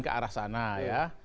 ke arah sana ya